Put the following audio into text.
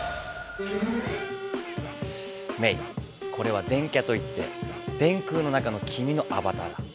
メイこれは電キャと言って電空の中のきみのアバターだ。